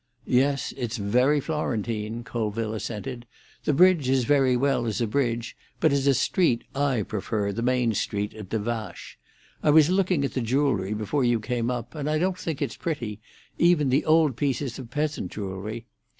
"Yes, it's very Florentine," Colville assented. "The bridge is very well as a bridge, but as a street I prefer the Main Street Bridge at Des Vaches. I was looking at the jewellery before you came up, and I don't think it's pretty, even the old pieces of peasant jewellery.